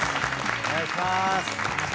お願いしまーす。